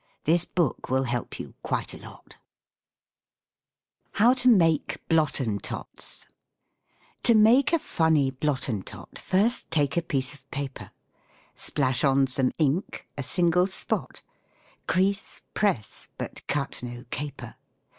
These were made for Dymphna HOW TO MAKE BLOTTENTOTS To make a funny Blottentot, First take a piece of paper, Splash on some ink, a single spot, Crease, press, but cut no caper.